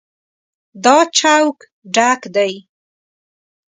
دا چوک ډک دی.